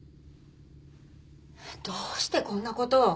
どうしてこんなことを？